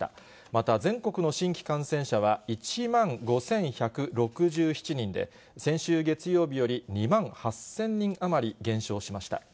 また、全国の新規感染者は１万５１６７人で、先週月曜日より２万８０００人余り減少しました。